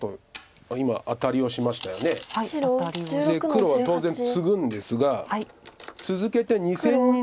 黒は当然ツグんですが続けて２線に。